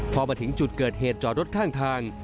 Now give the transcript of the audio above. พอมาถึงจุดเกิดเหตุจอดรถข้างทาง